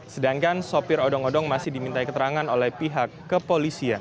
sedangkan sopir odong odong masih dimintai keterangan oleh pihak kepolisian